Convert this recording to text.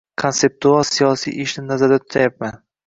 konseptual siyosiy ishni nazarda tutayapman.